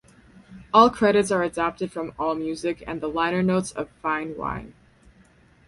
All credits are adapted from Allmusic and the liner notes of "Fine Wine".